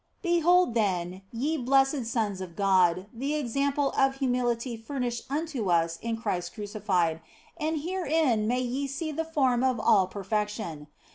Behold OF FOLIGNO 109 then, ye blessed sons of God, the example of humility furnished unto us in Christ crucified, and herein may ye see the form of all perfection.